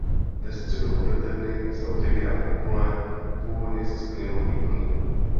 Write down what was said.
Ve středu modlitebny se otevírá kopule původně se skleněnou výplní.